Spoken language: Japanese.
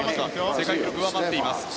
世界記録を上回っています。